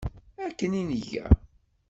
Akken i nga.